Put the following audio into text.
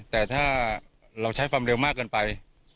แต่ถ้าเราใช้ความเร็วมากเกินไป